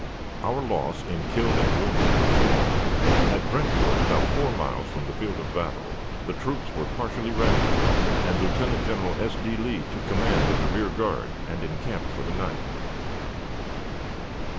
Our loss in killed and wounded was small. At Brentwood, about four miles from the field of battle, the troops were partially rallied, and Lieutenant General S. D, Lee took command of the rear guard and encamped for the night.